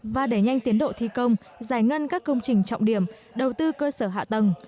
và đẩy nhanh tiến độ thi công giải ngân các công trình trọng điểm đầu tư cơ sở hạ tầng